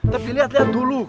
tapi lihat lihat dulu